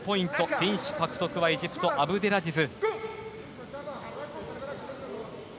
先取獲得はエジプトのアブデラジズ。